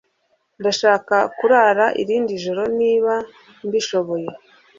Ndashaka kurara irindi joro niba mbishoboye.